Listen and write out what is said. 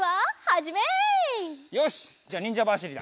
じゃあにんじゃばしりだ。